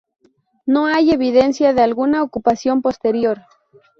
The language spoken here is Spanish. No hay evidencia de alguna ocupación posterior.